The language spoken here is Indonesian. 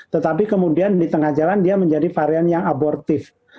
tetapi kemudian di tengah jalan dia menjadi varian yang abortif